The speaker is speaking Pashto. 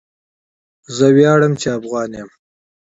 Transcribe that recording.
زه ویاړم چی افغان يم